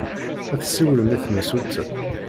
Ad tsiwlem i temsulta?